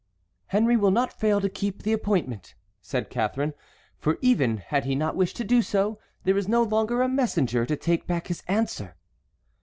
"Henry will not fail to keep the appointment," said Catharine, "for even had he not wished to do so there is no longer a messenger to take back his answer."